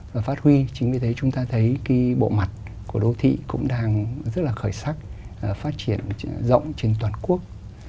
và phát huy chính vì thế chúng ta thấy cái bộ mặt của đô thị cũng đang rất là khởi sắc phát triển rộng trên toàn quốc